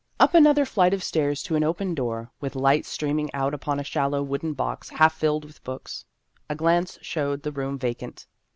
Up another flight of stairs to an open door, with light streaming out upon a shallow wooden box half filled with books. A glance showed the room vacant.